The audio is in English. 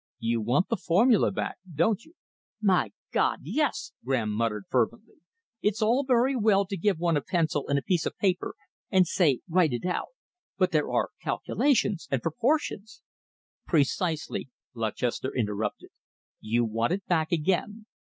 You want the formula back, don't you?" "My God, yes!" Graham muttered fervently. "It's all very well to give one a pencil and a piece of paper and say 'Write it out,' but there are calculations and proportions " "Precisely," Lutchester interrupted. "You want it back again.